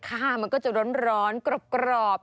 มันก็จะร้อนกรอบ